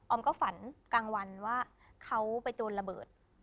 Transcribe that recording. อมก็ฝันกลางวันว่าเขาไปโดนระเบิด